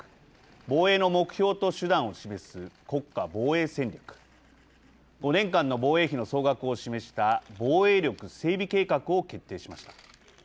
防衛の目標と手段を示す国家防衛戦略５年間の防衛費の総額を示した防衛力整備計画を決定しました。